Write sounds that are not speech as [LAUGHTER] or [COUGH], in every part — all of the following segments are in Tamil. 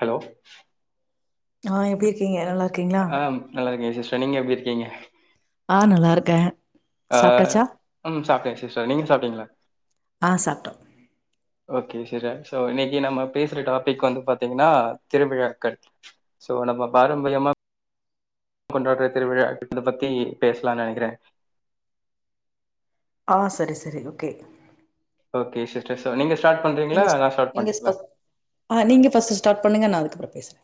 ஹலோ ஆ எப்டி இருக்கீங்க நல்லா இருக்கீங்ளா ஆ நல்லா இருக்க சிஸ்டர் நீங்க எப்டி இருக்கீங்க ஆ நல்லா இருக்கன் ஆ ம் சாப்ட்ட சிஸ்டர் நீங்க சாப்ட்டீங்கிளா ஆ சாப்ட்டோ ஓகே செரி சோ இன்னைக்கி நம்ம பேசற டாபிக் வந்து பாத்தீங்கன்னா திருவிழாக்கள் சோ நம்ம பாரம்பரியமா கொண்டார திருவிழா இத பத்தி பேசலான் நெனைக்கிறே ஆ செரி செரி ஓகே ஓகே சிஸ்டர் ஸோ நீங்க ஸ்டார்ட் பண்றீங்களா நீங்க நா ஸ்டார்ட் நீங்க பண்ட்டுங்ளா ஃபஸ் ஆ நீங்க ஃபஸ்ட்டு ஸ்டார்ட் பன்னுங்க நா அதுப்புறோ பேசுறே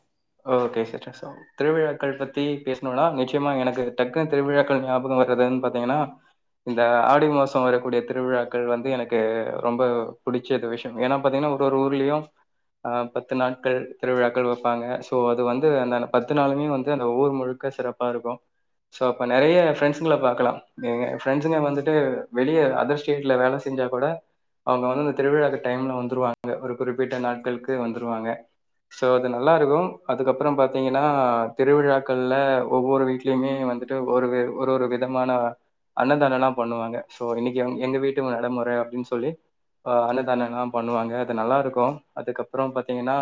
ஓகே சிஸ்டர் ஸோ திருவிழாக்கள் பத்தி பேசணுன்னா நிச்சயமா எனக்கு டக்குன்னு திருவிழாக்கள் ஞாபகம் வர்றதுன்னு பாத்தீங்கன்னா இந்த ஆடி மாசொ வரக்கூடிய திருவிழாக்கள் வந்து எனக்கு ரொம்ப புடிக் ச்சது விஷயொ ஏன்னா பாத்தீங்கன்னா ஒரு ஒரு ஊர்லயு அ பத்து நாட்கள் திருவிழாக்கள் வப்பாங்க சோ அது வந்து அந்த பத்து நாளுமே வந்து அந்த ஊர் முழுக்க சிறப்பா இருக்கூ சோ அப்ப நறைய ஃப்ரெண்ட்ஸ்ங்கள பாக்கலா ஏங்க ஃப்ரண்ட்ஸுங்க வந்துட்டு வெளிய அதர் ஸ்டேட்ல வேல செஞ்சா கூட அவுங்க வந்து அந்த திருவிழாக்கு டைம்ல வந்துருவாங்க ஒரு குறிப்பிட்ட நாட்களுக்கு வந்துருவாங்க சோ அது நல்லா இருக்கும் அதுக்கப்புறம் பாத்தீங்கன்னா திருவிழாக்கள்ல ஒவ்வொரு வீட்லயுமே வந்துட்டு ஒரு வே ஒரு ஒரு விதமான அன்னதானம்லா பண்ணுவாங்க சோ இன்னைக்கி எங்க வீட்டு நடமுற அப்டின் சொல்லி ஆ அன்னதானலா பண்ணுவாங்க அது நல்லா இருக்கும் அதுக்கப்புறம் பாத்தீங்கன்னா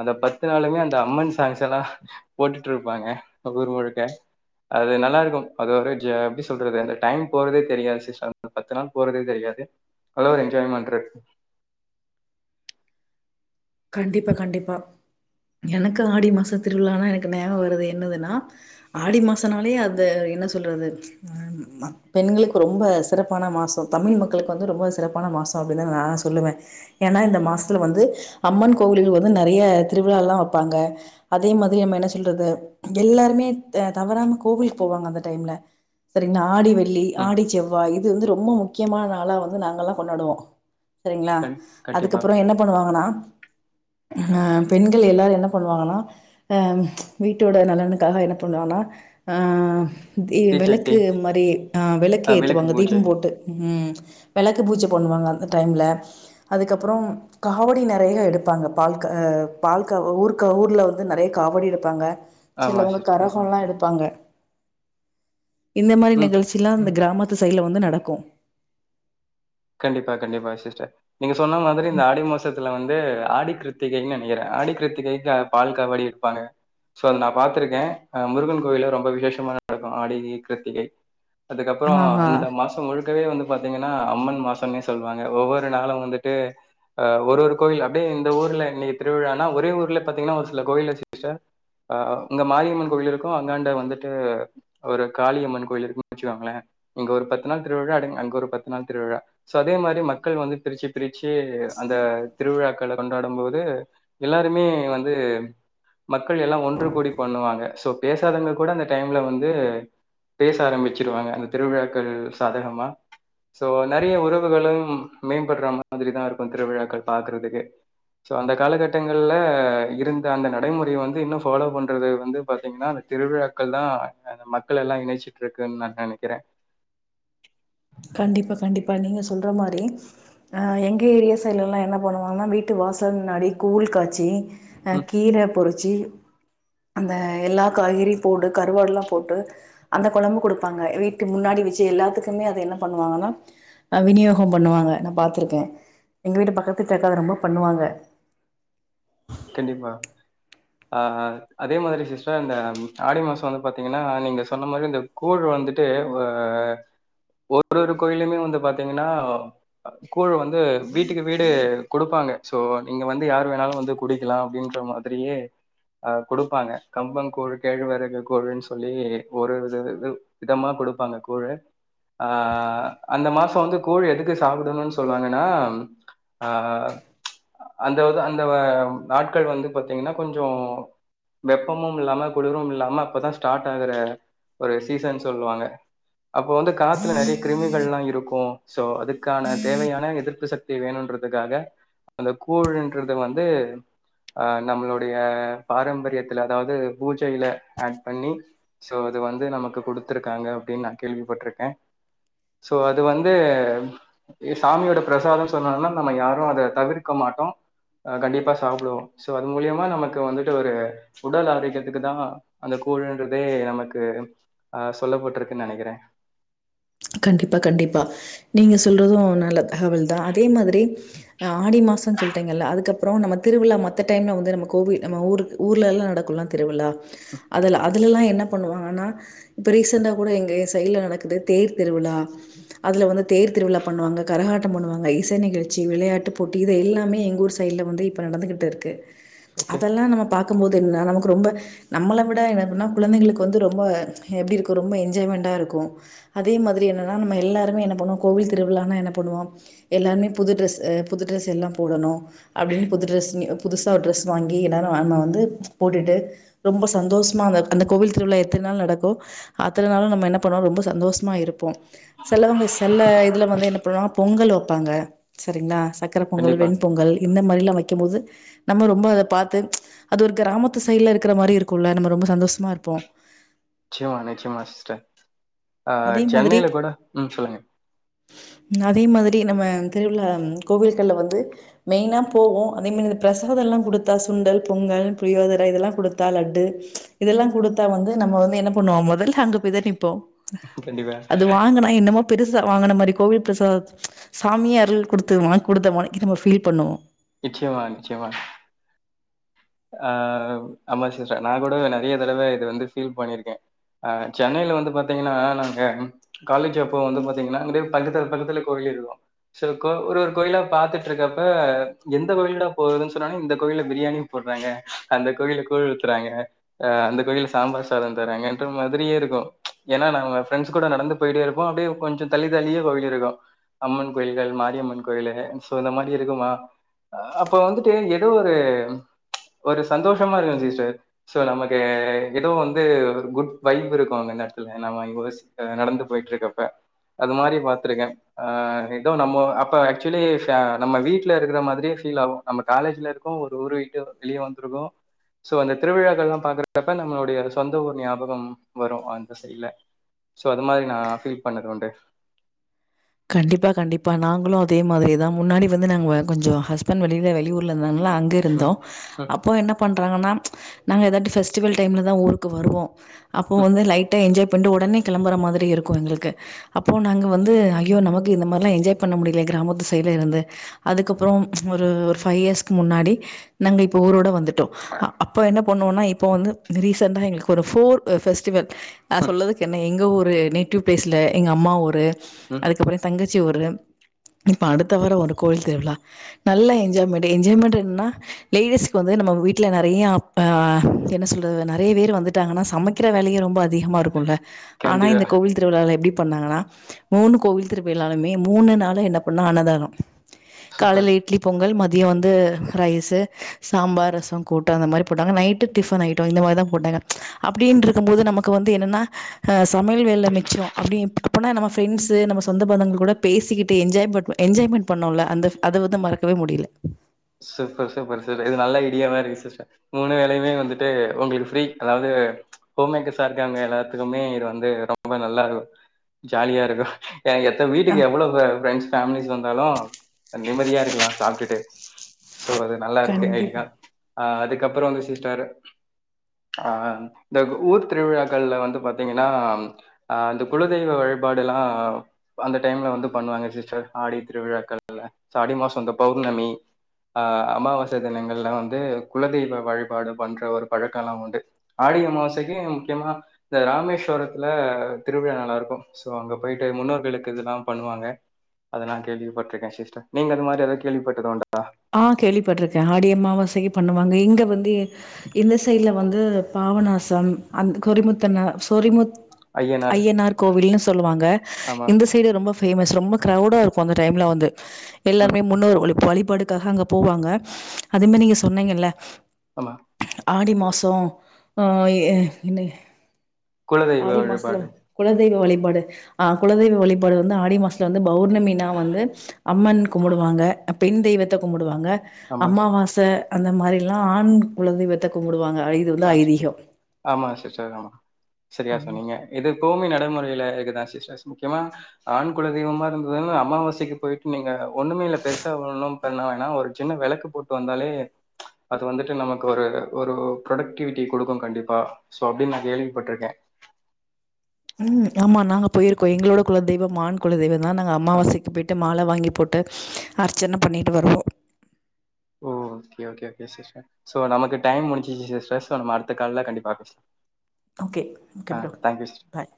அந்த பத்து நாளுமே அந்த அம்மன் சாங்ஸ் எல்லா போட்டுட்டு இருப்பாங்க ஊர் முழுக்க அது நல்லா இருக்கும் அது ஒரே ஜா எப்டி சொல்றது அந்த டைம் போறதே தெரியாது சிஸ்டர் அந்த பத்து நாள் போறதே தெரியாது நல்ல ஒரு என்ஜாய்மெண்ட்ருக்கு கண்டிப்பா கண்டிப்பா எனக்கு ஆடி மாச திருவிழானா எனக்கு நியாபகம் வருது என்னதுன்னா ஆடி மாசனாலே அந்த என்ன சொல்றது ஆ பெண்களுக்கு ரொம்ப சிறப்பான மாசம் தமிழ் மக்களுக்கு வந்து ரொம்ப சிறப்பான மாசோ அப்டின்னுதா நா சொல்லுவ ஏனா இந்த மாசத்துல வந்து அம்மன் கோவில வந்து நெறையா திருவிழால்லா வப்பாங்க அதே மாதிரி நம்ம என்ன சொல்றது எல்லாருமே த தவறாம கோவிலுக்கு போவாங்க அந்த டைம்ல செரிங்கிளா ஆடி வெள்ளி ம் ஆடி செவ்வாய் இது வந்து ரொம்ப முக்கியமான நாளா வந்து நாங்கள்லா கொண்டாடுவோ சரிங்கிளா கண் கண்டிப்பா அதுக்கப்புற என்ன பண்ணுவாங்கன்னா ஆ பெண்கள் எல்லாரு என்ன பண்ணுவாங்கன்னா ஆ வீட்டோட நலனுக்காக என்ன பண்ணுவனா ஆ தி தீச்சட்டி வெளக்கு மாரி ஆ வெளக்கு அஹ், விளக்கு ஏத்துவாங்க பூஜை தீபம் போட்டு ம் வெளக்கு பூஜ பண்ணுவாங்க அந்த டைம்ல் அதுக்கப்புற காவடி நெறையா எடுப் பாங்க பால் க பால் க ஊர்கா ஊர்ல வந்து நெறையா காவடி எடுப்பாங்க ஆமா சிலவங்க சிஸ்டர் கர கோல்லா எடுப்பாங்க இந்த மாரி ம் நிகழ்ச்சில்லா இந்த கிராமத் து சைட்ல வந்து நடக்கும் கண்டிப்பா கண்டிப்பா சிஸ்டர் நீங்க சொன்ன மாதிரி இந்த ஆடி மாசத்துல வந்து ஆடி கிருத் திகைன் நெனைக்கிற ஆடி கிருத்திகைக்குலா பால் காவடி எடுப்பாங்க சோ அத நா பாத்திருக்கே ஆ முருகன் கோயில்ல ரொம்ப விசேஷமாலா நடக்கும் ஆடி கி கிருத்திகை அதுக்கப்புற ஆஹா அந்த மாசோ முழுக்கவே வந்து பாத்தீங்கன்னா அம்மன் மாசம்னே சொல்லுவாங்க ஒவ்வொரு நாளும் வந்துட்டு ஆ ஒரு ஒரு கோயில் அப்டே இந்த ஊர்ல இன்னைக்கு திருவிழான்னா ஒரே ஊர்லே பாத்தீங்கன்னா ஒரு சில கோவில்ல சிஸ்டர் ஆ அங்க மாரியம்மன் கோவில் இருக்கும் அந்தாண்ட வந்துட்டு ஒரு காளியம்மன் கோயில் இருக்கு வெச்சுகோங்களே இங்க ஒரு பத்து நாள் திருவிழா அடிங் அங்க ஒரு பத்து நாள் திருவிழா ஸோ அதே மாரி மக்கள் வந்து பிரிச்சு பிரிச்சு அந்த திருவிழாக்கள கொண்டாடும் போது எல்லாருமே வந்து மக்கள் எல்லா ஒன்று கூடி பண்ணுவாங்க சோ பேசாதவங்க கூட அந்த டைம்ல வந்து பேச ஆரம்பிச்சிருவாங்க அந்த திருவிழாக்கள் சாதகமா சோ நெறைய உறவு உறவுகளும் மேம்படுற மாத்ரி தா இருக்கு திருவிழாக்கள் பாக்குறதுக்கு சோ அந்த காலகட்டங்கள்ல இருந்த அந்த நடைமுறைய வந்து இன்னு ஃபாலோ பண்றது வந்து பாத்தீங்கனா திருவிழாக்கள் தா அந்த மக்கள் எல்லா இணைச்சிட்ருக்குன் நா நெனைக்கறே கண்டிப்பா கண்டிப்பா நீங்க சொல்ற மாரி அ எங்க ஏரியா சைட்லலா என்ன பண்ணுவாங்கனா வீட்டு வாசல் முன்னாடி கூழ் காச்சி ஆ ம். கீர பொறிச்சி அந்த எல்லா காய்கறியு போட்டு கருவாடலா போட்டு அந்த கொழம்பு குடுப்பாங்க வீட்டு முன்னாடி வச்சி எல்லாத்துக்குமே அது என்னா பண்ணுவாங்கனா ஆ விநியோகம் பண்ணுவாங்க நா பாத்துருக்கே எங்க வீட்டு பக்கத்து [UNINTELLIGIBLE] ரொம்ப பண்ணுவாங்க கண்டிப்பா அ அதே மாரி சிஸ்டர் அந்த ஆடி மாச வந்து பாத்தீங்கனா நீங்க சொன்ன மாரி இந்த கூழ் வந்துட்டு அ ஒரு ஒரு கோயிலுமே வந்து பாத்திங்கனா கூழ் வந்து வீட்டுக்கு வீடு குடுப்பாங்க சோ நீங்க வந்து யார் வேணாலு வந்து குடிக்கலா அப்டின்ற மாதிரியே அ குடுப்பாங்க கம்பம் கூழ் கேழ்வரகு கூழுன் சொல்லி ஒரு வித இது விதமா குடுப்பாங்க கூழு ஆ அந்த மாச வந்து கூழ் எதுக்கு சாப்டணுன் சொல்வாங்கனா அ அந்தாவது அந்த அ நாட்கள் வந்து பாத்தீங்கனா கொஞ்சோ வெப்பமும் இல்லாம குளிரும் இல்லாம அப்பதா ஸ்டார்ட் ஆகுற ஒரு சீசன் சொல்வாங்க அப்போ வந்து காத்துல நெறைய கிருமிகள்லா இருக்கு சோ அதுக்கான தேவையான எதிர்ப்பு சக்தி வேணுன்றதுக்காக அந்த கூழுன்றது வந்து அ நம்ளுடைய பாரம்பரியத்துல அதாவது பூஜையில ஆட் பண்ணி சோ அது வந்து நமக்கு குடுத்திருக்காங்க அப்டின் நா கேள்விப்பட்ருக்கே சோ அது வந்து சாமியோட பிரசாதோ சொன்னோனா நம்ம யாரு அத தவிர்க்க மாட்டோ கண்டிப்பா சாப்டுவோ ஸோ அது மூலியமா நமக்கு வந்துட்டு ஒரு உடல் ஆரோக்கியத்துக்கு தா அந்த கூழுன்றதே நமக்கு அ சொல்லபட்ருக்குன் நெனைக்கிறே கண்டிப்பா கண்டிப்பா நீங்க சொல்றது நல்ல தகவல் தா அதே மாத்ரி ஆடி மாசன் சொல்ட்டேங்கல்ல அதுக்கப் ப்புறோ நம்ம திருவிழா மத்த டைம்ல வந்து நம்ம கோவில் நம்ம ஊருக் ஊர்லேல்லா நடக்குல்ல திருவிழா அதுல அதுல எல்லா என்ன பண்ணுவாங்கனா இப்ப ரீசெண்டா கூட எங்க எ சைட்ல நடக்குது தேர் திருவிழா அதுல தேர் திருவிழா பண்ணுவாங்க கரகாட்டம் பண்ணுவாங்க இசை நிகழ்ச்சி விளையாட்டு போட்டி இது எல்லாமே எங் ஊர் சைட்ல வந்தி இப்ப நடந்துகிட் இருக்கு ஓகே அதெல்லா நாம பாக்கும்போது இருந்தா நமக் ரொம்ப நம்மள விட என்ன பண்ணு குழந்தைங்களுக்கு வந்து ரொம்ப எப்டி இருக்கு ரொம்ப என்ஜாய்மெண்டா இருக்கு அதே மாத்ரி என்னன்னா நம்ம எல்லாருமே என்ன பண்ணுவோ கோவில் திருவிழான்னா என்ன பண்ணுவோ எல்லாருமே புது ட்ரெஸ் அ புது ட்ரெஸ் எல்லா போடணு அப்டின் புது ட்ரெஸ் நி அ புதுசா ஒரு ட்ரெஸ் வாங்கி எல்லாரு அங்க வந்து போட்டுட்டு ரொம்ப சந்தோஸ்மா [UNINTELLIGIBLE] அந்த கோவில் திருவிழா எத்தன் நாள் நடக்கோ அத்தன் நாளு நம்ம என்ன பண்ணுவோ ரொம்ப சந்தோஸ் இருப்போ சிலவங்க செல்ல இதுல வந்து என்ன பண்ணா பொங்கல் வைப்பாங்க சரிங்ளா சக்கர பொங்கல் கண்டிப்பா வெண்பொங்கல் இந்த மாரிலா வெக்கும்போது நம்ப ரொம்ப அத பாத்து அது ஒரு கிராமத்து சைட்ல இருக்கிற மாரி இருக்கும்ல நம்ம ரொம்ப சந்தோஷமா இருப்போ நிச்சய்மா நிச்சய்மா சிஸ்டர் ஆ அதே மாதிரி சென்னைல கூட ம் சொல்லுங்க அதே மாதிரி நம்ம திருவிழா கோவில்கள்ல வந்து மெய்னா போகு அதேமாரி இந்த பிரசாதம் எல்லா குடுத்தா சுண்டல் பொங்கல் புரியோதரம் இதெல்லா குடுத்தா லட்டு இதெல்லா குடுத்தா வந்து நம்ம வந்து என்ன பண்ணுவோ முதல்ல அங்க போய் தா நிப்போ கண்டிப்பா அது வாங்கனா என்னமோ பெருசா வாங்கின மாரி கோவில் பிரசாதம் சாமியே அருள் குடுத்து வாய்ங் குடுத்த மாரி நம்ம பீல் பண்வோ நிச்சியமா நிச்சியமா ஆ ஆமா சிஸ்டர் நா கூட நெறைய தடவ இது வந்து ஃபீல் பண்ணிருக்கே ஆ சென்னைல வந்து பாத்தீங்னா நாங்க காலேஜ் அப்போ வந்து பாத்தீங்னா அங்குடே பக்கத்துல பக்கத்துல கோயில் இருக்கு [UNINTELLIGIBLE] ஒரு ஒரு கோயிலா பாத்துட் இருக்கப்ப எந்த கோயில்டா போறதுன் சொன்னாங்க இந்த கோயில்ல பிரியாணி போட்றாங்க அந்த கோயில கூழ் ஊத்துறாங்க அ அந்த கோயில சாம்பார் சாதம் தராங்கன்ற மாதிரியே இருக்கு ஏனா நாங்க ஃரெண்ட்ஸ் கூட நடந்து போயிட்டே இருப்போ அப்டியே கொஞ்ச தள்ளி தள்ளியே கோயில் இருக்கு அம்மன் கோயில்கள் மாரியம்மன் கோயிலு சோ இந்த மாரி இருக்குமா அப்போ வந்துட்டு ஏதோ ஒரு ஒரு சந்தோஷமா இருக்கு சிஸ்டர் சோ நமக்கு ஏதோ வந்து ஒரு குட் வைப் இருக்கு அங்க நேரத்துல நம்ம ச நடந்து போயிட்டு இருக்கப்ப அது மாரி பாத்துருக்கே ஆ ஏதோ நம்ம அப்ப ஆக்சுவலி நம்ம வீட்ல இருக்கிற மாரியே ஃபீல் ஆகு நம்ம காலேஜ்ல இருக்கோ ஒரு ஊரு விட்டு வெளியே வந்திருக்கோ சோ அந்த திருவிழாக்கள்ல்லா பாக்குறக்கப் நம்ளுடைய சொந்த ஊர் ஞாபகம் வரு அந்த சைல சோ அது மாரி நா ஃபீல் பண்ணது உண்டு கண்டிப்பா கண்டிப்பா நாங்ளு அதே மாதிரி தா முன்னாடி வந்து நாங்க கொஞ்ச ஹஸ்பண்ட் வெளில வெளியூர்ல இருந்தாங்கலா அங் இருந்தோ ம், ம், அப்போ என்ன பண்றாங்னா நாங்க எதா பெஸ்டிவல் டைம்ல தா ஊருக்கு வருவோ அப்போ ம், வந்து லைட்டா என்ஜாய் பண்ணிட்டு ஒடனே கெளம்புற மாதிரி இருக்கு எங்ளுக்கு அப்றோ நாங்க வந்து ஐயோ நமக்கு இந்த மாரிலா என்ஜாய் பண்ண முடில கிராமத்து சைட்ல இருந்து அதுக்கப்புறோ ஒரு ஒரு ஃபைவ் இயர்ஸ்க்கு முன்னாடி நாங்க இப்போ ஊரோட வந்துட்டோ அ அப்போ என்ன பண்ணுவோன்னா இப்ப வந்து ரீச்சென்ட்டா எங்ளுக்கு ஒரு ஃபோன் ஆ ஃபெஸ்டிவல் நா ம், சொல்றதுக் என்ன எங்க ஊரு நேட்டிவ் ப்ளேஸ்ல எங்கம்மா ஊரு ம். அதுக்கப்றோ ஏ தங்கச்சி ஊரு இப்ப அடுத்த வார ஒரு கோவில் திருவிழா நல்லா என்ஜாய்மெண்ட்டு என்ஜாய்மெண்ட்டு என்னன்னா லேடிஸ்க்கு வந்து நம்ம வீட்ல நெறைய ஆ என்ன சொல்றது நெறைய பேரு வந்துட் டாங்கனா சமைக்கிற வேலையு ரொம்ப அதிகமா இருக்குல ஆனா கண்டிப்பா. இந்த கோவில் திருவிழால எப்டி பண்ணாங்கனா மூணு கோவில் திருவிழாலலுமே மூணு நாளு என்ன பண்ணா அன்னதானோ சூப்பர். காலைல இட் இட்லி பொங்கல் மதியோ வந்து ரைஸு சாம்பார் ரசம் கூட்டு அந்த மாரி போட்டாங்க நைட்டு டிஃபன் ஐட்டோ இந்த மார்தா போட்டாங்க அப்டின்டிருக்கும்போது நமக்கு வந்து என்னன்னா அ சமையல் வேல மிச்சம் அப்டி போனா நம்ம ஃபிரெண்ட்ஸ் ட்டு நம்ம சொந்த பந்தங்கள்கூட பேசிக்கிட்டு என்ஜாய்பட் என்ஜாய்மெண்ட் பண்ணோல அந்த அத வந்து மறக்கவே முடில சூப்பர் சூப்பர் சூப் இது நல்ல ஐடியாவா இருக்கு சிஸ்டர் மூணு வேலையுமே வந்துட்டு உங்ளுக்கு ஃப்ரீ அதாவ்து ஹோம்மேக்கர்ஸ்ஸா இருக்காங்க எல்லாத்துக்குமே இது வந்து ரொம்ப நல்லாருக்கு ஜாலியாருக்கு ஏ எந்த ஆ வீட்டுக்கு எவ்ளவு ஃப்ரெண்ட்ஸ் ஃபேமிலிஸ் வந்தாலு நிம்மதியா இருக்லா சாப்ட்டுட்டு ஸோ அது நல்லாருக்கு கண்டிப்பா ஐடியா ஆ அதுக்கப்பறோ வந்து சிஸ்டர் ஆ இந்த ஊர் திருவிழாக்கள்ல வந்து பாத்தீங்கன்னா ஆ அந்த குலதெய்வ வழிபாடெல்லா அந்த டைம்ல வந்து பண்ணுவாங்க சிஸ்டர் ஆடி திருவிழாக்கள்ல சோ ஆடி மாசோ இந்த பௌர்ணமி அ அமாவாச தினங்கள்ல வந்து குலதெய்வ வழிபாடு பண்ற ஒரு பழக்கெல்லா உண்டு ஆடி அமாவாசைக்கு முக்கியமா இந்த ராமேஸ்வரத்துல திருவிழா நல்லா இருக்கு சோ அங்க போயிட்டு முன்னோர்களுக்கு இதெல்லா பண்ணுவாங்க அத நா கேள்விப்பட்ருக்க சிஸ்டர் நீங்க அது மாரி எதாவது கேள்விப்பட்டதுண்டா ஆ கேள்விப்பட்ருக்க ஆடி அம்மாவாசைக்கு பண்ணுவாங்க இங்க வந்து இந்த சைட்ல வந்து பாவநாசம் அந்த கொறிமுத்தன்னா சொரிமுத் ஐயனார் கோவில்னு சொல்லுவாங்க ஆமா இந்த ஸ் சைடு ரொம்ப ஃபேமஸ் ரொம்ப க்ரௌவுடா இருக்கு அந்த டைம்ல வந்து ம் எல்லாருமே முன்னோர் வழி வழிபடுத் தாக‌ அங்க போவாங்க அதேமாரி நீங்க சொன்னீங்கல்ல ஆமா ஆடி மாசோ அ எ என்னே குலதெய்வ ஆடி மாசத்துல வழிபாடு குலதெய்வ வழிபாடு ஆ குலதெய்வ வழிபாடு வந்து ஆடி மாசத்துல வந்து பௌர்ணமின்னா வந்து அம்மன் கும்புடுவாங்க அ பெண் தெய்வத் த கும்புடுவாங்க ஆமா அம்மாவாச அந்த மாரிலா ஆண் குலதெய்வத் த கும்புடுவாங்க ஐதுல்ல ஐதீகோ ஆமாங்க சிஸ்டர் ஆமா செரியா சொன்னீங்க இது கோமி நடைமுறையில இருக்குதா சிஸ்டர்ஸ் முக்கியமா ஆண் குலதெய்வமா இருந்ததுன்னா அமாவாசைக்கு போயிட்டு நீங்க ஒண்ணுமே இல்ல பெருசா ஒன்னும் பண்ண வேணா ஒரு சின்ன வெளக்கு போட்டு வந்தாலே அது வந்துட்டு நமக்கு ஒரு ஒரு ப்ரொடக்டிவிட்டி குடுக்கு கண்டிப்பா சோ அப்டின்னு நா கேள்விப்பட்ருக்கே ம் ஆமா நாங்க போயிருக்கோ எங்களோட குலதெய்வம் ஆண் குலதெய்வ தா நாங்க அ அமாவாசைக்கு போயிட்டு மால வாங்கி போட்டு அர்ச்சன பண்ணிட்டு வருவோ ஓ okay okay okay sister so நமக்கு டைம் முடிஞ்ச்சு சிஸ்டர் சோ நம்ம அடுத்த கால்ல கண்டிப்பா பேசலா ஓகே ஓகே ப்ரோ பாய்